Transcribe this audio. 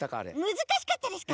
むずかしかったですか？